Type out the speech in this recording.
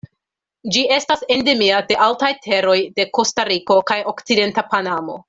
Ĝi estas endemia de altaj teroj de Kostariko kaj okcidenta Panamo.